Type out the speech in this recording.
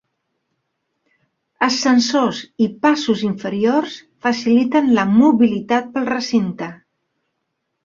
Ascensors i passos inferiors faciliten la mobilitat pel recinte.